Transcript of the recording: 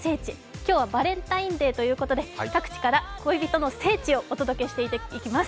今日はバレンタインデーということで各地から恋人の聖地をお届けしていきます。